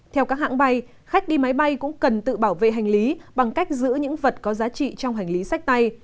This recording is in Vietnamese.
theo các hãng bay khách đi máy bay cũng cần tự bảo vệ hành lý bằng cách giữ những vật có giá trị trong hành lý sách tay